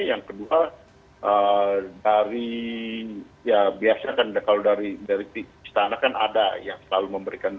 yang kedua dari ya biasa kan kalau dari istana kan ada yang selalu memberikan